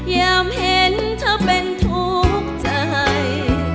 ยามเห็นเธอเป็นทุกข์ใจ